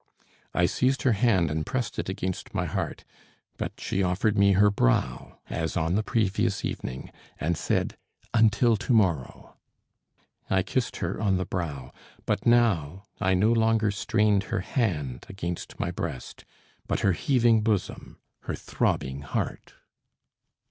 I seized her hand and pressed it against my heart, but she offered me her brow, as on the previous evening, and said: "Until to morrow." I kissed her on the brow; but now I no longer strained her hand against my breast, but her heaving bosom, her throbbing heart.